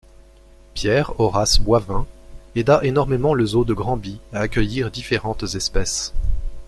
Pierre-Horace Boivin aida énormément le zoo de Granby à accueillir différentes espèces.